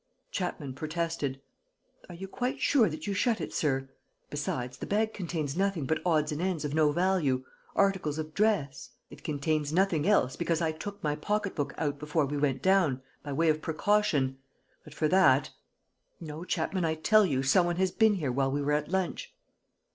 Chapman protested. "Are you quite sure that you shut it, sir? Besides, the bag contains nothing but odds and ends of no value, articles of dress. ..." "It contains nothing else, because I took my pocket book out before we went down, by way of precaution. ... But for that. ... No, Chapman, I tell you, some one has been here while we were at lunch."